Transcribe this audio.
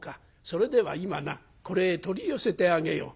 それでは今なこれへ取り寄せてあげよう」。